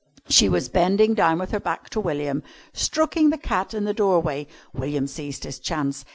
She was bending down with her back to William, stroking the cat in the doorway. William seized his chance.